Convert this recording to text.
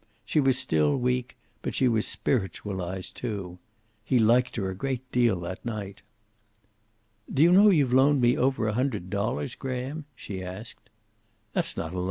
She was still weak, but she was spiritualized, too. He liked her a great deal that night. "Do you know you've loaned me over a hundred dollars, Graham?" she asked. "That's not a loan.